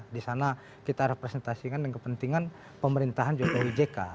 di sana kita representasikan dengan kepentingan pemerintahan juga ujk